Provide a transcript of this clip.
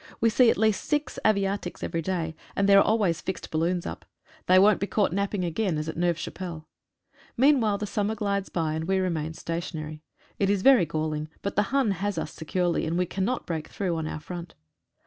We see at least six aviatiks every day, and there are always fixed balloons up. They won't be caught napping again, as at Neuve Chapelle. Meanwhile the summer glides by and we remain stationary. It is very galling, but the Hun has us securely, and we cannot break through on our front.